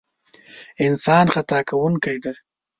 انسان خطا کوونکی دی.